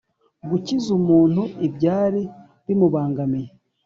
Gukiza umuntu ibyari bimubangamiye